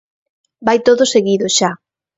Vai todo seguido xa.